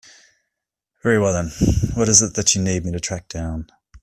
Very well then, what is it that you need me to track down?